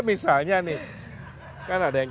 misalnya nih kan ada yang